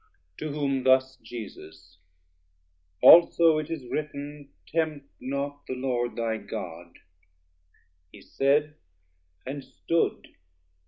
To whom thus Jesus: also it is written, 560 Tempt not the Lord thy God, he said and stood.